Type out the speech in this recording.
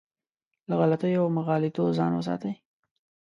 له غلطیو او مغالطو ځان وساتي.